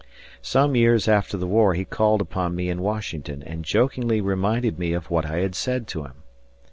Some years after the war he called upon me in Washington and jokingly reminded me of what I had said to him.